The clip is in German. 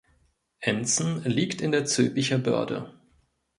Enzen liegt in der Zülpicher Börde.